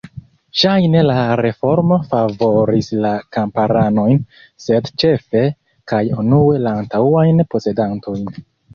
Ŝajne la reformo favoris la kamparanojn, sed ĉefe kaj unue la antaŭajn posedantojn.